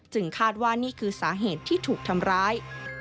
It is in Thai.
คาดว่านี่คือสาเหตุที่ถูกทำร้าย